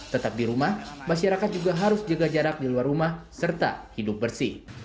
tetap di rumah masyarakat juga harus jaga jarak di luar rumah serta hidup bersih